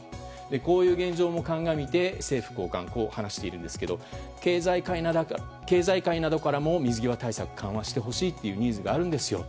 こういう状況も鑑みて政府高官はこう話しているんですが経済界などからも水際対策、緩和してほしいというニーズがあるんですよ。